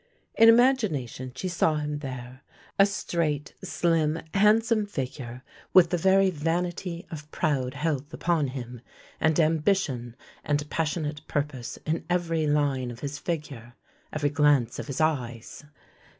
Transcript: In imagination she saw him there, a straight, slim, handsome figure with the very vanity of proud health upon him, and ambition and passionate purpose in every line of his figure, every glance of his eyes.